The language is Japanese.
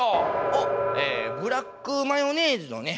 おっブラックマヨネーズのね